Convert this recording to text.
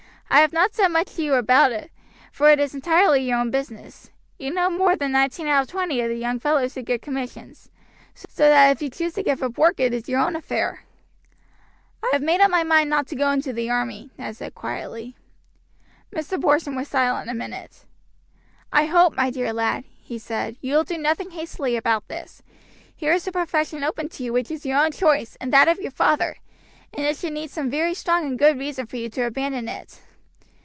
I have not said much to you about it, for it is entirely your own business: you know more than nineteen out of twenty of the young fellows who get commissions, so that if you choose to give up work it is your own affair." "I have made up my mind not to go into the army," Ned said quietly. Mr. Porson was silent a minute. "I hope, my dear lad," he said, "you will do nothing hastily about this. Here is a profession open to you which is your own choice and that of your father, and it should need some very strong and good reason for you to abandon it.